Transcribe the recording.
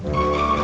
gak ada apa apa